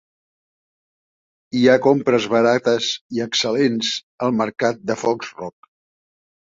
Hi ha compres barates i excel·lents al mercat de Foxrock.